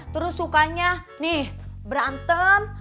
terus sukanya nih berantem